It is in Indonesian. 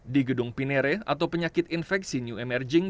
di gedung pinere atau penyakit infeksi new emerging